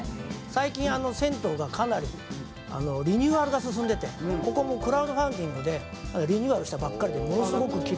最近銭湯がかなりリニューアルが進んでてここもクラウドファンディングでリニューアルしたばっかりでものすごくキレイです」